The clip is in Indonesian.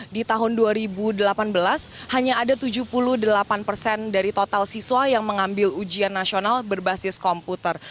di tahun dua ribu delapan belas hanya ada tujuh puluh delapan persen dari total siswa yang mengambil ujian nasional berbasis komputer